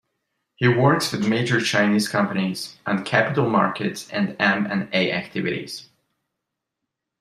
He works with major Chinese companies on capital markets and M and A activities.